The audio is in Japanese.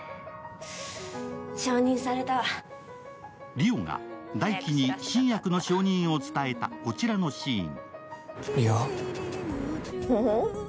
梨央が大輝に新薬の承認を伝えたこちらのシーン。